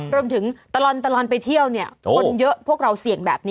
รวมถึงตลอดไปเที่ยวเนี่ยคนเยอะพวกเราเสี่ยงแบบนี้